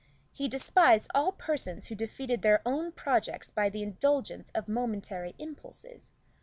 He despised all persons who defeated their own projects by the indulgence of momentary impulses.